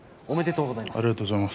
おめでとうございます。